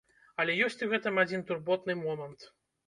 Але ёсць у гэтым адзін турботны момант.